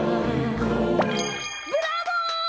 ブラボー！